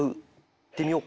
いってみようか。